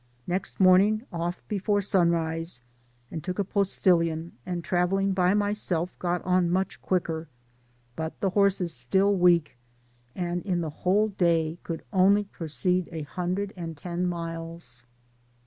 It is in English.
— ^Next mom* ing off before sunrise, and took a postilion, and gravelling by myself got on much quicker, but the Digitized byGoogk THB PAMPAS. 77 horses still weak, and in the whole day could only proceed a hundred and ten miles.